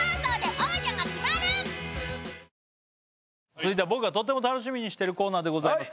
続いては僕がとっても楽しみにしてるコーナーでございます